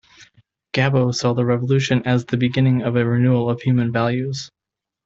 Gabo saw the Revolution as the beginning of a renewal of human values.